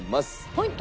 ポイント